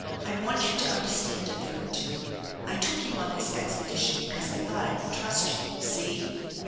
"I want you to understand a thing or two. I took you on this expedition because I thought I could trust you. See?"